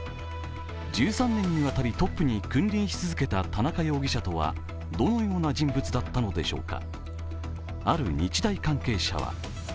１３年にわたりトップに君臨し続けた田中容疑者とはどのような人物だったのでしょうか？